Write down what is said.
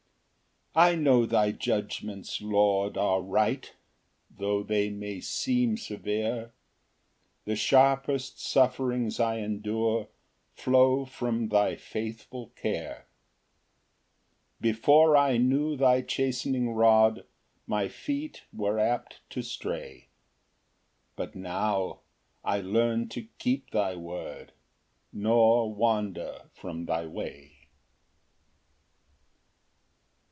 Ver. 75. 5 I know thy judgments, Lord, are right, Tho' they may seem severe; The sharpest sufferings I endure Flow from thy faithful care. Ver. 67. 6 Before I knew thy chastening rod My feet were apt to stray; But now I learn to keep thy word, Nor wander from thy way.